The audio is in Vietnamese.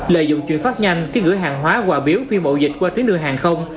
lợi dụng chuyển phát nhanh ký gửi hàng hóa quà biếu phi mậu dịch qua tuyến đường hàng không